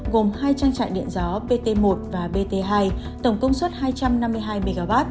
gồm hai trang trại điện gió pt một và bt hai tổng công suất hai trăm năm mươi hai mw